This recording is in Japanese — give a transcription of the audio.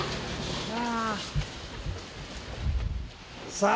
さあ。